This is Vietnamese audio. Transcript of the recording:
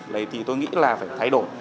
đấy thì tôi nghĩ là phải thay đổi